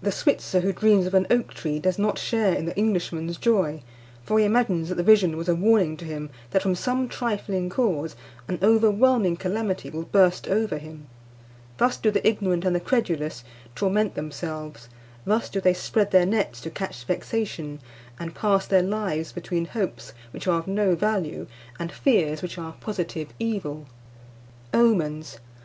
The Switzer who dreams of an oak tree does not share in the Englishman's joy; for he imagines that the vision was a warning to him that, from some trifling cause, an overwhelming calamity will burst over him. Thus do the ignorant and the credulous torment themselves; thus do they spread their nets to catch vexation, and pass their lives between hopes which are of no value and fears which are a positive evil. OMENS.